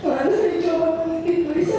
lalu saya mencoba mengekik tulisan